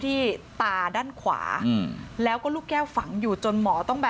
ที่ตาด้านขวาอืมแล้วก็ลูกแก้วฝังอยู่จนหมอต้องแบบ